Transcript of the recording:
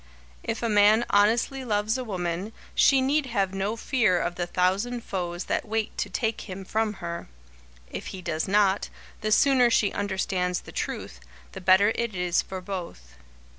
If a man honestly loves a woman, she need have no fear of the thousand foes that wait to take him from her. If he does not, the sooner she understands the truth, the better it is for both.